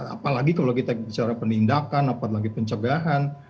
apalagi kalau kita bicara penindakan apa lagi pencegahan